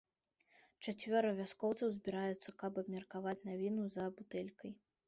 Чацвёра вяскоўцаў збіраюцца каб абмеркаваць навіну за бутэлькай.